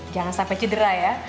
jangan sampai cedera ya